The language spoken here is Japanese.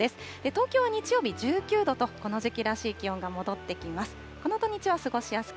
東京は日曜日１９度と、この時期らしい気温が戻ってきます。